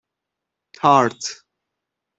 تارت